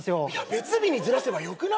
別日にずらせばよくない？